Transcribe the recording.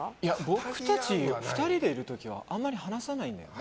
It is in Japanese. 僕たち、２人でいる時はあまり話さないんだよね。